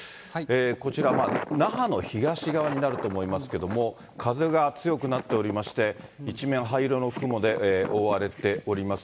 こちら、那覇の東側になると思いますけど、風が強くなっておりまして、一面、灰色の雲で覆われております。